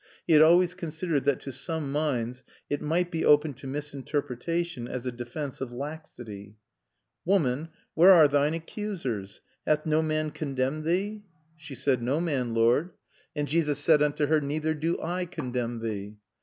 He had always considered that to some minds it might be open to misinterpretation as a defense of laxity. "'Woman, where are those thine accusers? hath no man condemned thee?' "She said, 'No man, Lord.' And Jesus said unto her, 'Neither do I condemn thee.'"